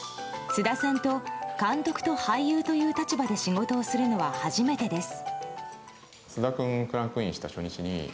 菅田さんと監督と俳優という立場で仕事をするのは初めてです。